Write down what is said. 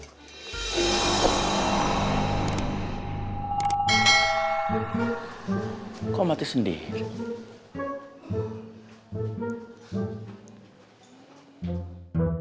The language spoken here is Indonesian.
gila kok mati sendiri